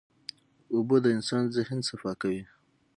اوبه د انسان ذهن صفا کوي.